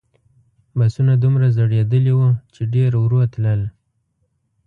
بسونه دومره زړیدلي وو چې ډېر ورو تلل.